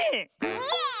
イエーイ！